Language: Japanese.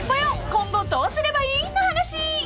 今後どうすればいい？の話］